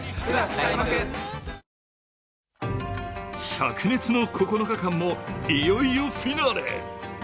しゃく熱の９日間もいよいよフィナーレ。